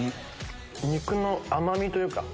肉の甘みというか。